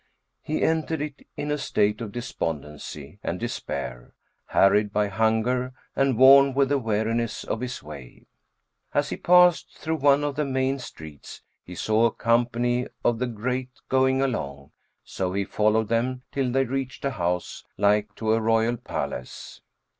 He entered it in a state of despondency and despair, harried by hunger and worn with the weariness of his way. As he passed through one of the main streets, he saw a company of the great going along; so he followed them till they reached a house like to a royal palace.